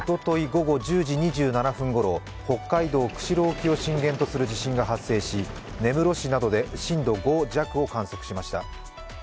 午後１０時２７分ごろ、北海道釧路沖を震源とする地震が発生し、根室市などで震度５弱を観測しました。